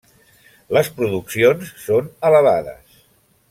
Les produccions són elevades.